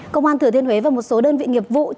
công an thừa thiên huế và một số đơn vị nghiệp vụ